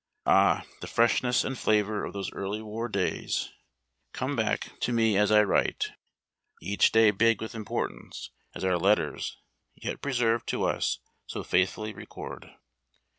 Ah, the freshness and flavor of those early Avar days come back AliMY WAGON TRAINS. 355 to me as I write — each day big \A' ith importance, as our letters, yet preserved to us, so faithfully record.